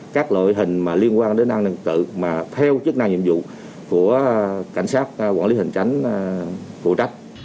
các loại hình liên quan đến an ninh tự mà theo chức năng nhiệm vụ của cảnh sát quản lý hành tránh phụ trách